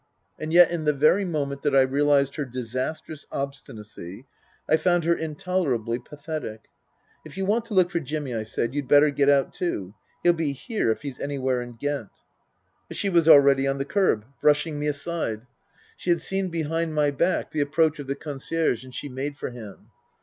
And yet in the very moment that I realized her disastrous obstinacy I found her intolerably pathetic. ;; If you want to look for Jimmy," I said, " you'd better get out too. He'll be here if he's anywhere in Ghent." But she was already on the kerb, brushing me aside. Book III: His Book 293 She had seen behind my back the approach of the concierge and she made for him.